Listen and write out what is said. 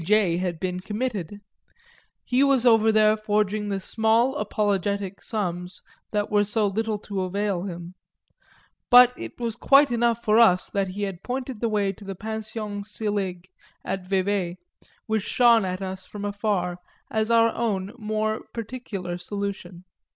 J. had been committed; he was over there forging the small apologetic arms that were so little to avail him, but it was quite enough for us that he pointed the way to the Pension Sillig, at Vevey, which shone at us, from afar, as our own more particular solution.